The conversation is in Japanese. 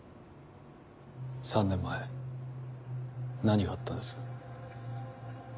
３年前何があったんです？